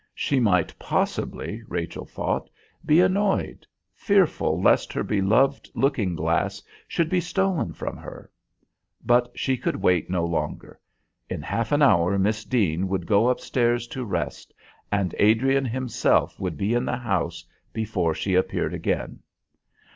She might possibly, Rachel thought, be annoyed, fearful lest her beloved looking glass should be stolen from her. But she could wait no longer. In half an hour Miss Deane would go upstairs to rest, and Adrian himself would be in the house before she appeared again.